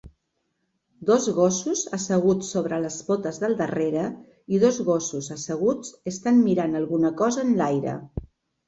Dos gossos asseguts sobre les potes del darrere i dos gossos asseguts estan mirant alguna cosa en l'aire.